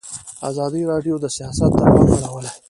ازادي راډیو د سیاست ته پام اړولی.